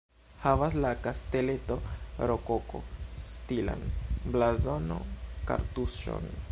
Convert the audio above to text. Havas la kasteleto rokoko-stilan blazono-kartuŝon.